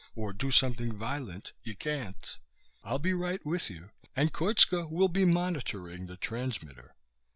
Or do something violent. You can't. I'll be right with you, and Koitska will be monitoring the transmitter."